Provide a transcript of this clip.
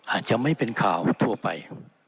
อาจจะไม่เป็นข่าวทั่วไป